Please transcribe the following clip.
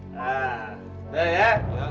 nah udah ya